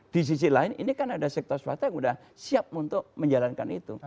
di sisi lain ini kan ada sektor swasta yang sudah siap untuk menjalankan itu